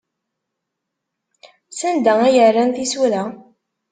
Sanda ay rran tisura?